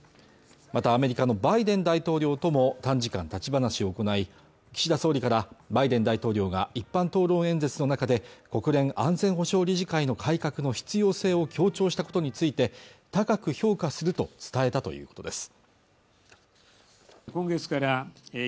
またアメリカのバイデン大統領とも短時間立ち話を行い岸田総理からバイデン大統領が一般討論演説の中で国連安全保障理事会の改革の必要性を強調したことについて高く評価すると伝えたということです